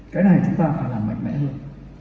cái này chúng ta phải làm mạnh mẽ hơn